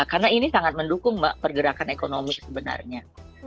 karena ini sangat mendukung mbak pergerakan ekonomi sebenarnya